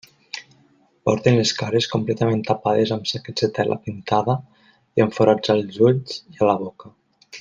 Porten les cares completament tapades amb saquets de tela pintada i amb forats als ulls i a la boca.